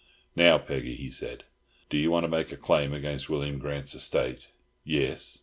"Now, Peggy," he said, "do you want to make a claim against William Grant's estate?" "Yis."